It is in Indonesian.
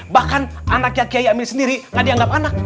bahkan anaknya kiai amin sendiri gak dianggap anak